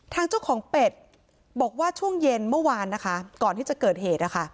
ทางเจ้าของเป็ดบอกว่าช่วงเย็นเมื่อวานนะคะก่อนที่จะเกิดเหตุนะคะ